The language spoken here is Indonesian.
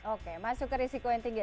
oke masuk ke risiko yang tinggi